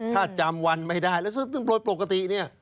ถ้าจำวันไม่ได้แล้วซึ่งโดยปกติเนี่ย